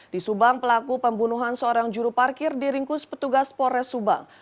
di subang pelaku pembunuhan seorang juru parkir diringkus petugas pores subang